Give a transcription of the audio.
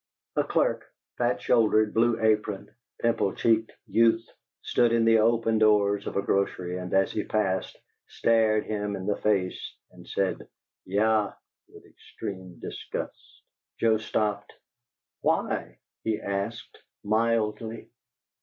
A clerk, a fat shouldered, blue aproned, pimple cheeked youth, stood in the open doors of a grocery, and as he passed, stared him in the face and said "Yah!" with supreme disgust. Joe stopped. "Why?" he asked, mildly.